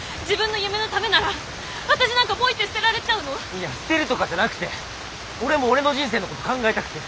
いや捨てるとかじゃなくて俺も俺の人生のこと考えたくて。